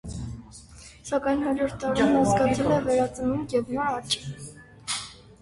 Սակայն հաջորդ դարում նա զգացել է վերածնունդ և նոր աճ։